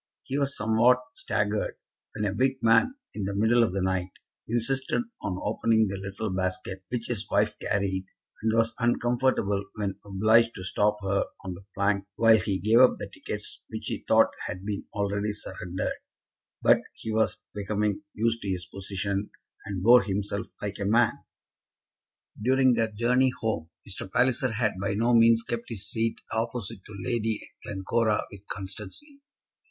He was somewhat staggered when a big man, in the middle of the night, insisted on opening the little basket which his wife carried, and was uncomfortable when obliged to stop her on the plank while he gave up the tickets which he thought had been already surrendered; but he was becoming used to his position, and bore himself like a man. During their journey home Mr. Palliser had by no means kept his seat opposite to Lady Glencora with constancy.